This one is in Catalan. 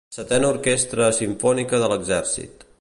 Setena Orquestra Simfònica de l'Exèrcit.